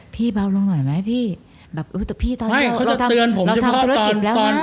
พี่เบาลงหน่อยมั้ยท่านจะทำธุรกิจแล้วค่ะ